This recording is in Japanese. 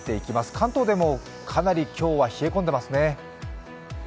関東でもかなり今日は冷え込んでますね。